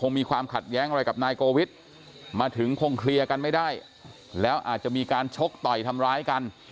คงมีความขัดแย้งอะไรกับนายโกวิทย์มาถึงคงเคลียร์กันไม่ได้แล้วอาจจะมีการชกต่อยทำร้ายกัน